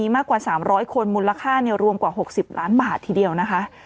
มากกว่าสามร้อยคนมูลค่าเนี่ยรวมกว่าหกสิบล้านบาททีเดียวนะคะ